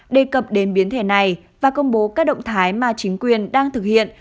đề cập đến biến thể này và công bố các động thái mà chính quyền đang thực hiện